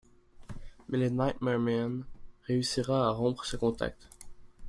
Mais le nightmare man réussira à rompre ce contact.